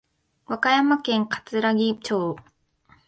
和歌山県かつらぎ町